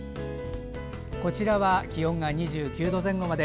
こちらは気温が２９度前後まで。